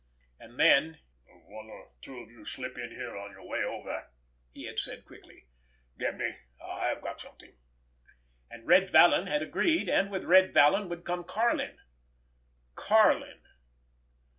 And then: "One or two of you slip in here on your way over," he had said quickly. "Get me? I've got something!" And Red Vallon had agreed—and with Red Vallon would come Karlin. Karlin!